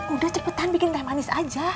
udah cepetan bikin teh manis aja